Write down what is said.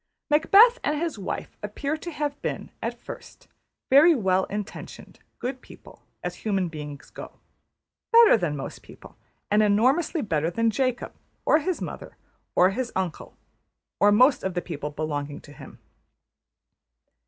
Macbeth and his wife appear to have been, at first, very well intentioned, good people, as human beings go; better than most people; and enormously better than Jacob, or his mother, or his uncle, or most of the people belonging to him.